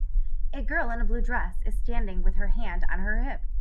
A girl in a blue dress is standing with her hand on her hip.